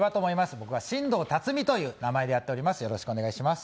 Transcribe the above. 僕は新道竜巳という名前でやっております。